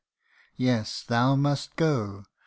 Yes, thou must go !